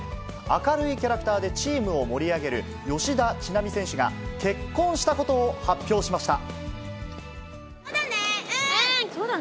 明るいキャラクターでチームを盛り上げる吉田知那美選手が、結婚したことを発表しました。